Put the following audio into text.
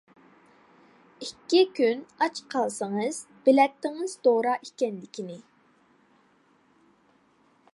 ئىككى كۈن ئاچ قالسىڭىز بىلەتتىڭىز دورا ئىكەنلىكىنى.